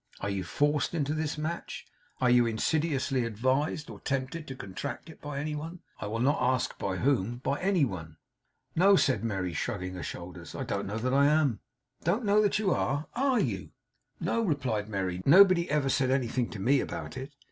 Are you forced into this match? Are you insidiously advised or tempted to contract it, by any one? I will not ask by whom; by any one?' 'No,' said Merry, shrugging her shoulders. 'I don't know that I am.' 'Don't know that you are! Are you?' 'No,' replied Merry. 'Nobody ever said anything to me about it.